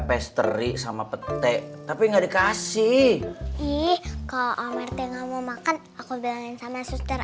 pesteri sama petek tapi nggak dikasih ih kau amerte nggak mau makan aku bilangin sama suster